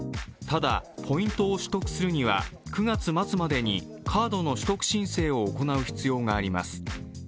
ただ、ポイントを取得するには９月末までにカードの取得申請を行う必要があります。